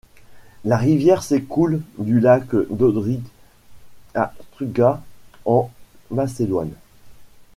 La rivière s'écoule du lac d’Ohrid à Struga, en Macédoine.